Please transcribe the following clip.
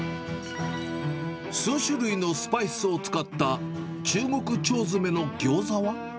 数種類のスパイスを使った中国腸詰めのギョーザは。